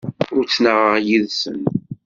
Ur ttnaɣeɣ yid-sen.